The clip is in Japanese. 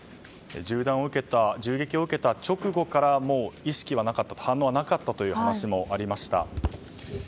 銃撃を受けた直後からもう意識はなかった、反応はなかったという話もありました。